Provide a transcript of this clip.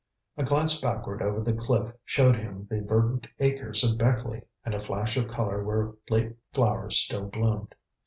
A glance backward over the cliff showed him the verdant acres of Beckleigh, and a flash of colour where late flowers still bloomed.